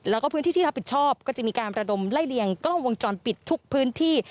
แล้วก็พื้นที่ที่รับผิดชอบก็จะมีการระดมไล่เลี่ยงกล้องวงจรปิดทุกพื้นที่